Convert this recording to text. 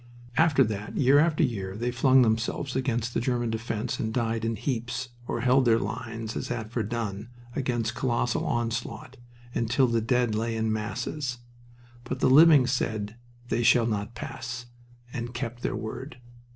After that, year after year, they flung themselves against the German defense and died in heaps, or held their lines, as at Verdun, against colossal onslaught, until the dead lay in masses. But the living said, "They shall not pass!" and kept their word.